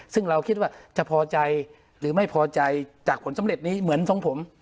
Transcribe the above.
ซึ่งเราคิดว่าจะพอใจหรือไม่พอใจจากผลสำเร็จนี้เหมือนทรงผม